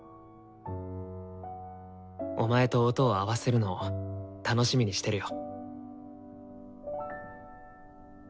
お前と音を合わせるのを楽しみにしてるよ。